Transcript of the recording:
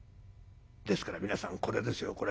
ですから皆さんこれですよこれ。